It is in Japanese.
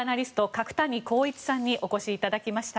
角谷浩一さんにお越しいただきました。